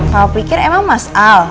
kalau pikir emang mas al